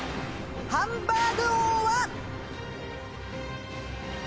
ハンバーグ王は。